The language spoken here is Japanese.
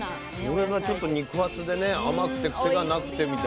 それがちょっと肉厚でね甘くて癖がなくてみたいなね。